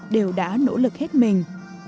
đều đã nỗ lực hết mình